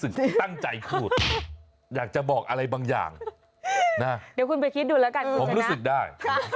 เอ้าคุณบอกยิ่งฟังยิ่งรู้สึกดี